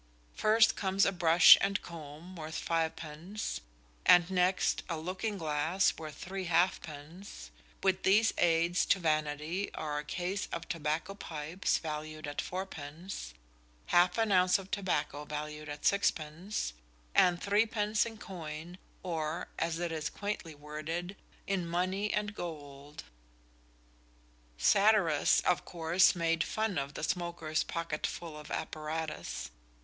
First comes a brush and comb worth fivepence, and next a looking glass worth three halfpence. With these aids to vanity are a case of tobacco pipes valued at fourpence, half an ounce of tobacco valued at sixpence, and three pence in coin, or, as it is quaintly worded, "in money and golde." Satirists of course made fun of the smoker's pocketful of apparatus.